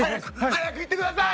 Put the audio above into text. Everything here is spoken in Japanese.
早く行ってください！